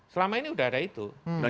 selama ini sudah ada itu